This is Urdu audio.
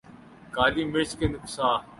کالی مرچ کے نقصا